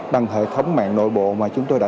bằng hệ thống mạng nội bộ mà chúng tôi đã